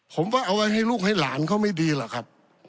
ผมว่าเอาไว้ให้ลูกให้หลานเขาไม่ดีหรอกครับ